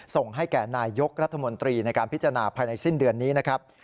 ส่งให้แก่นายยกรัฐมนตรีในการพิจารณาภายในสิ้นเดือนนี้นะครับ